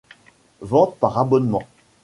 Vente par abonnement.